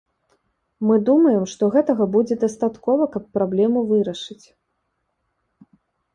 Мы думаем, што гэтага будзе дастаткова, каб праблему вырашыць.